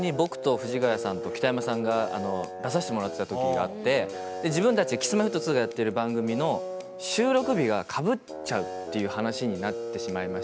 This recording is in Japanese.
出させてもらってた時があって自分たちＫｉｓ−Ｍｙ−Ｆｔ２がやってる番組の収録日がかぶっちゃうっていう話になってしまいまして。